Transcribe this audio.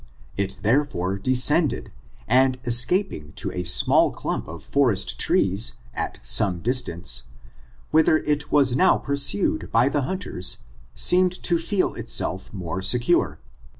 It, therefore, descend ed, and escaping to a small clump of forest trees, at some distance, whither it was now pursued by the hunters, seemed to feel itself more secure.